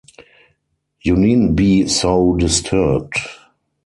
You needn’t be so disturbed.